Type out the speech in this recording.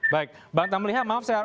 baik bang tamliha maaf